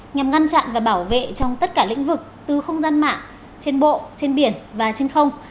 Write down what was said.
nhằm ngăn chặn và bảo vệ trong tất cả lĩnh vực từ không gian mạng trên bộ trên biển và trên không